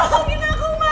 tolongin aku mak